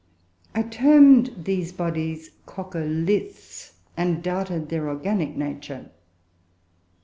I termed these bodies "coccoliths," and doubted their organic nature.